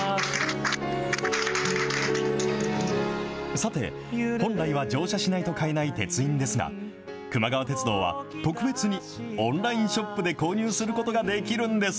さて、本来は乗車しないと買えない鉄印ですが、くま川鉄道は、特別にオンラインショップで購入することができるんです。